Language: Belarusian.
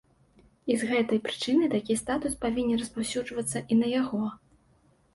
І з гэтай прычыны такі статус павінен распаўсюджвацца і на яго.